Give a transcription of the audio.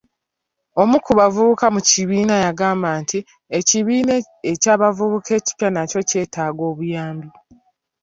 Omu ku bavubuka mu kibiina yagamba nti ekibiina ky'abavubuka ekipya nakyo kyetaaga obuyambi.